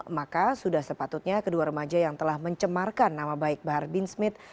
maka sudah sepatutnya kedua remaja yang telah mencemarkan nama baik bahar bin smith